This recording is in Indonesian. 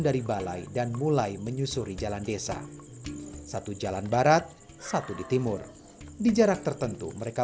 dari balai dan mulai menyusuri jalan desa satu jalan barat satu di timur di jarak tertentu mereka